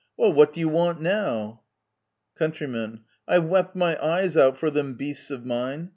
Well, what do you want now ? Count. I've wept my eyes out for them beasts of mine